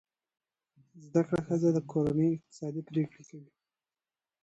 زده کړه ښځه د کورنۍ اقتصادي پریکړې کوي.